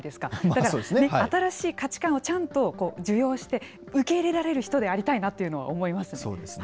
だから、新しい価値観をちゃんと受容して、受け入れられる人でありたいなというふうに思いますね。